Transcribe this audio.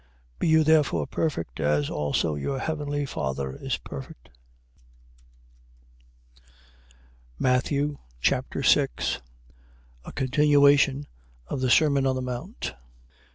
Be you therefore perfect, as also your heavenly Father is perfect. Matthew Chapter 6 A continuation of the sermon on the mount. 6:1.